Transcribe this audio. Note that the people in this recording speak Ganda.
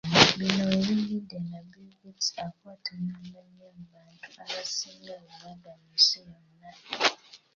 Bino we bijjidde nga Bill Gates akwata nnamba nnya mu bantu abasinga obugagga mu nsi yonna.